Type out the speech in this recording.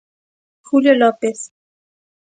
Julio López.